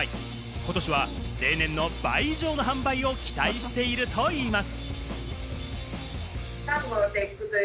今年は例年の倍以上の販売を期待しているといいます。